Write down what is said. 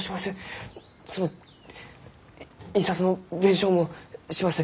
その印刷の弁償もします。